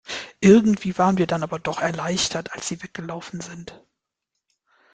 Irgendwie waren wir dann aber doch erleichtert, als sie weg gelaufen sind.